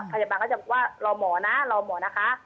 พยาบาลก็จะบอกว่ารอหมอนะรอหมอนะคะ